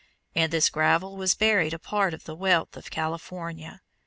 In this gravel was buried a part of the wealth of California.